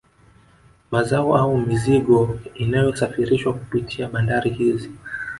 Mazao au mizigo inayosafirishwa kupitia bandari hizi